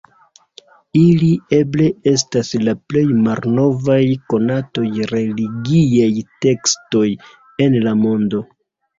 Ili eble estas la plej malnovaj konataj religiaj tekstoj en la mondo.